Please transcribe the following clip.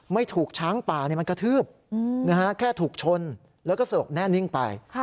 ไม่ถูกช้างป่ามันกระทืบแค่ถูกชนแล้วก็สลบแน่นิ่งไป